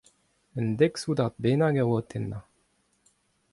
Un dek soudard bennak a oa o tennañ.